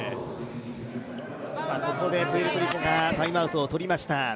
ここでプエルトリコがタイムアウトを取りました。